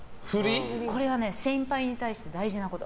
これは先輩に対して大事なこと。